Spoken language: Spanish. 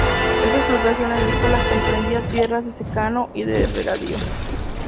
Esta explotación agrícola comprendía tierras de secano y de regadío.